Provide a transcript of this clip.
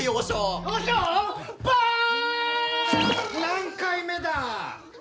何回目だ！